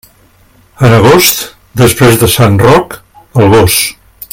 En agost, després de sant Roc, el gos.